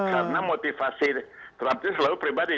karena motivasi trump itu selalu pribadi